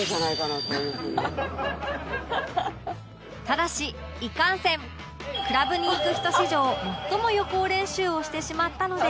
ただしいかんせんクラブに行く人史上最も予行練習をしてしまったので